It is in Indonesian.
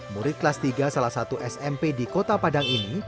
murid kelas tiga salah satu smp di kota padang ini